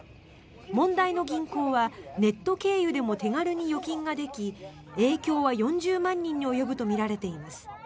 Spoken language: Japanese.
問題の銀行はネット経由でも手軽に預金ができ影響は４０万人に及ぶとみられています。